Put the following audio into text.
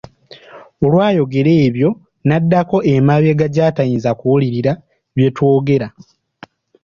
Olwayogera ebyo n'addako emabega gy'atayinza kuwulirira bye twogera.